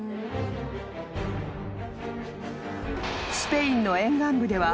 ［スペインの沿岸部では］